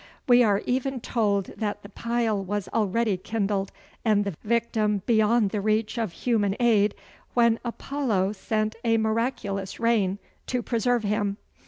We are even told that the pile was already kindled and the victim beyond the reach of human aid, when Apollo sent a miraculous rain to preserve him.